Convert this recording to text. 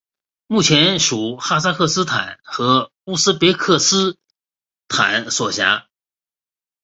目前属哈萨克斯坦和乌兹别克斯坦所辖。